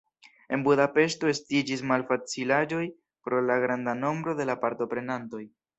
En Budapeŝto estiĝis malfacilaĵoj pro la granda nombro de la partoprenantoj.